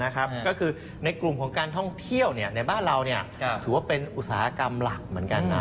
ก็คือในกลุ่มของการท่องเที่ยวในบ้านเราถือว่าเป็นอุตสาหกรรมหลักเหมือนกัน